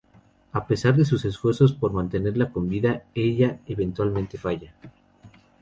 A pesar de sus esfuerzos por mantenerla con vida, eventualmente falla.